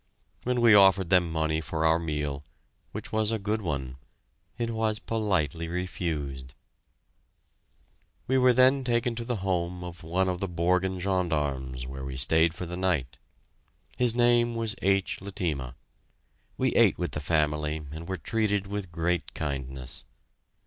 When we offered them money for our meal which was a good one it was politely refused. We were then taken to the home of one of the Borgen gendarmes where we stayed for the night. His name was H. Letema. We ate with the family and were treated with great kindness.